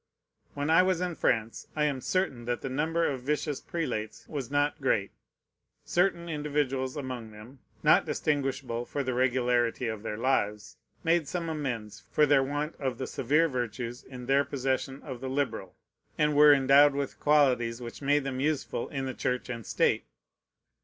When I was in France, I am certain that the number of vicious prelates was not great. Certain individuals among them, not distinguishable for the regularity of their lives, made some amends for their want of the severe virtues in their possession of the liberal, and wore endowed with qualities which made them useful in the Church and State.